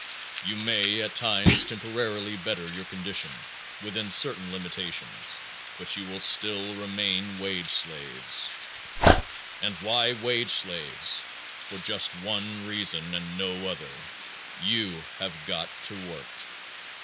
You may, at times, temporarily better your condition within certain limitations, but you will still remain wage slaves, and why wage slaves? For just one reason and no other you have got to work.